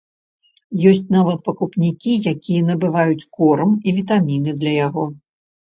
Ёсць нават пакупнікі, якія набываюць корм і вітаміны для яго.